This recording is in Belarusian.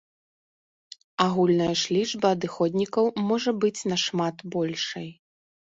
Агульная ж лічба адыходнікаў можа быць нашмат большай.